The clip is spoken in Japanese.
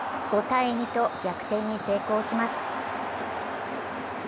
５−２と逆転に成功します。